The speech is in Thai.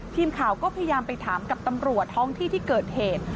ทีมข่าวก็พยายามไปถามกับตำรวจท้องที่ที่เกิดเหตุ